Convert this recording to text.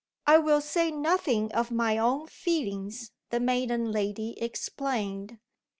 "I will say nothing of my own feelings," the maiden lady explained.